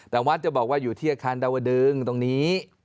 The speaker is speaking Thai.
แต่วัดจะบอกว่าอยู่ที่อาคารดาวดึงตรงนี้